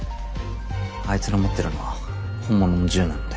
あいつの持ってるのは本物の銃なので。